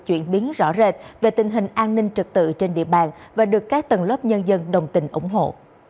chuyển biến rõ rệt về tình hình an ninh trật tự trên địa bàn và được các tầng lớp nhân dân đồng tình ủng hộ